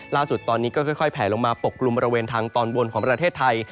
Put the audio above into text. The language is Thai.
ล่าสุดตอนนี้ก็ค่อยแผลลงมาปกกลุ่มบริเวณทางตอนบนของประเทศไทย